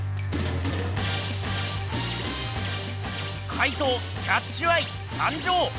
怪盗キャッチュ・アイ参上！